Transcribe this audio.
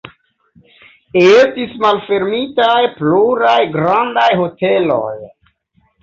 Estis malfermitaj pluraj grandaj hoteloj.